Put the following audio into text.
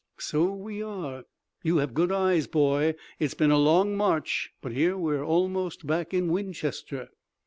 "So we are. You have good eyes, boy. It's been a long march, but here we are almost back in Winchester."